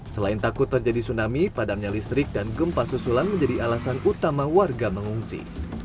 selain takut terjadi tsunami padamnya listrik dan gempa susulan menjadi alasan utama warga mengungsi